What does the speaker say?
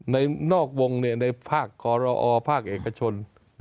นอกวงในภาคกรอภาคเอกชน